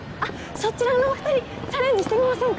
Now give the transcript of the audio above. そちらのお二人チャレンジしてみませんか？